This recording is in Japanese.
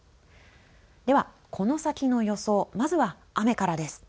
では、この先の予想まずは雨からです。